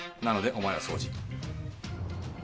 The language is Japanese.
なのでお前は掃除。